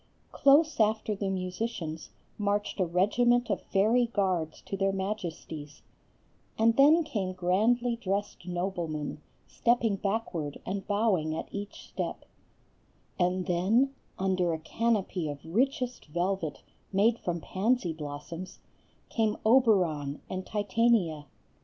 Close after the musicians marched a regiment of fairy guards to their majesties; and then came grandly dressed noblemen, stepping backward and bowing at each step; and then, under a canopy of richest velvet made from pansy blossoms, came Oberon and Titania!